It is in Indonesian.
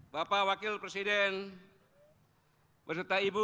bapak budiono berserta ibu